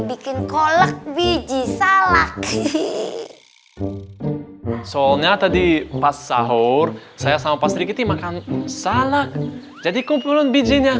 bikin kolak biji salah soalnya tadi pas sahur saya sama pasti makan salah jadi kumpul bijinya